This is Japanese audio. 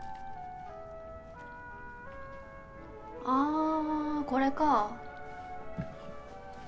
あこれか。